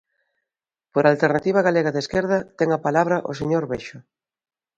Por Alternativa Galega de Esquerda ten a palabra o señor Bexo.